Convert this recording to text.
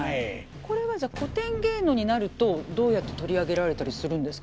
これはじゃあ古典芸能になるとどうやって取り上げられたりするんですかね。